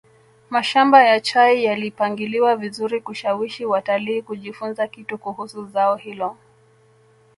mashamba ya chai yalipangiliwa vizuri kushawishi watalii kujifunza kitu kuhusu zao hilo